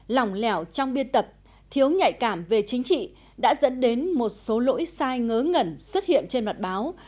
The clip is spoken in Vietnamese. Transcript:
lỏng lẻo trong biên tập thiếu nhạy cảm về chính trị đã dẫn đến một số lỗi sai ngớ ngẩn xuất hiện trên mặt báo